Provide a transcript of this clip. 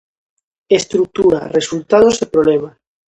Estrutura, resultados e problemas.